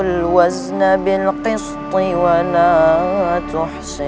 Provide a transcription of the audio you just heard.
putervé aku kian sandeng